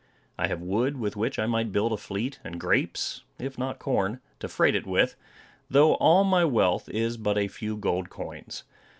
I have wood with which I might build a fleet, and grapes, if not corn, to freight it with, though all my wealth is but a few gold coins."